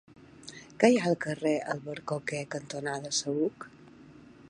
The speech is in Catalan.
Què hi ha al carrer Albercoquer cantonada Saüc?